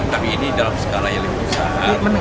tapi ini dalam skala yang lebih besar